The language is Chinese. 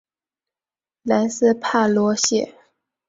莱斯帕罗谢。